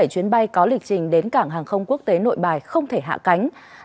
bảy chuyến bay có lịch trình đến cảng hàng không quốc tế nội bài không thể hạ cánh